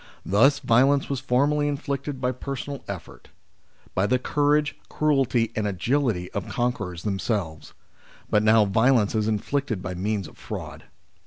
Thus violence was formerly inflicted by personal effort : by the courage, cruelty, and agility of the conquerors themselves ; but now violence is inflicted by means of fraud.